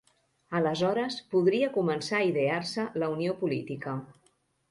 Aleshores podria començar a idear-se la unió política.